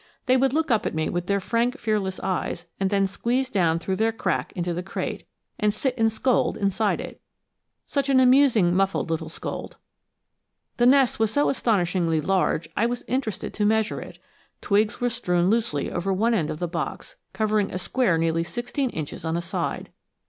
They would look up at me with their frank fearless eyes and then squeeze down through their crack into the crate, and sit and scold inside it such an amusing muffled little scold! The nest was so astonishingly large I was interested to measure it. Twigs were strewn loosely over one end of the box, covering a square nearly sixteen inches on a side.